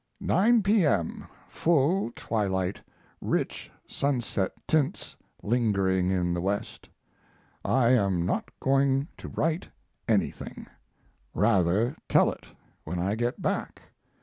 Nine p.m. full twilight, rich sunset tints lingering in the west. I am not going to write anything; rather tell it when I get back.